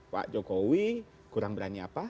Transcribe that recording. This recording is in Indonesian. pak jokowi kurang berani apa